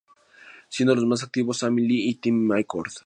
Siendo los más activos Amy Lee y Tim McCord.